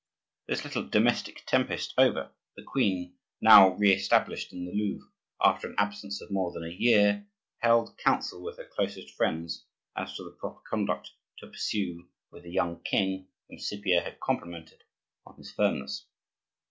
This little domestic tempest over, the queen, now re established in the Louvre after an absence of more than a year, held council with her closest friends as to the proper conduct to pursue with the young king whom Cypierre had complimented on his firmness.